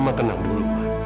mama tenang dulu